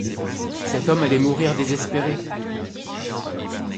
Cet homme allait mourir désespéré.